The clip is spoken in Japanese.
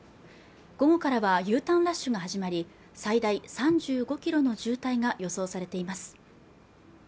午後からはＵターンラッシュが始まり最大３５キロの渋滞が予想されています